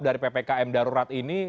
dari ppkm darurat ini